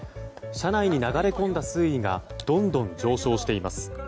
車内に流れ込んだ水位がどんどん上昇しています。